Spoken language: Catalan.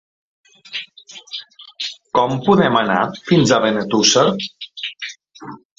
Com podem anar fins a Benetússer?